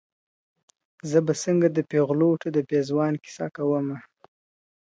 زه به څنګه د پېغلوټو د پېزوان کیسه کومه `